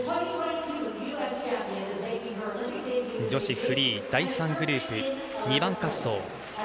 女子フリー第３グループ２番滑走